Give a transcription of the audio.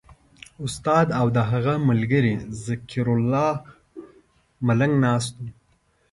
استاد او د هغه ملګری ذکرالله ملنګ ناست وو.